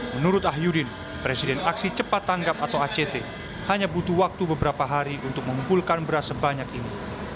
menurut ah yudin presiden aksi cepat tanggap atau act hanya butuh waktu beberapa hari untuk mengumpulkan beras sebanyak ini